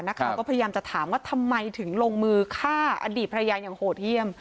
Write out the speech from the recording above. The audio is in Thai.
ก็พยายามจะถามว่าทำไมถึงลงมือฆ่าอดีตภรรยาอย่างโหดเยี่ยม